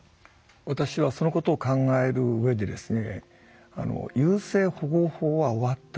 私はそのことを考える上でですね